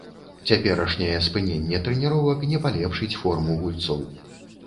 Цяперашняе спыненне трэніровак не палепшыць форму гульцоў.